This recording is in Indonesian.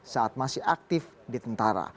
saat masih aktif di tentara